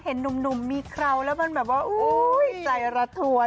เห็นหนุ่มมีเคราวแล้วมันแบบว่าโอ๊ยใจระทวน